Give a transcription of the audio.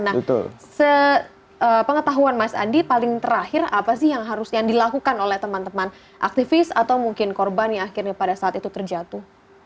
nah sepengetahuan mas andi paling terakhir apa sih yang harus yang dilakukan oleh teman teman aktivis atau mungkin korban yang akhirnya pada saat itu terjatuh